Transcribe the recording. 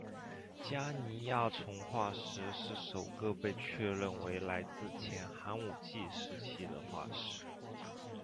加尼亚虫化石是首个被确认为来自前寒武纪时期的化石。